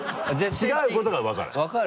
違うことなら分かる。